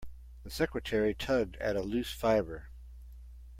The secretary tugged at a loose fibre.